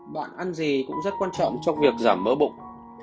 bạn ăn gì cũng rất quan trọng trong việc giảm mỡ bụng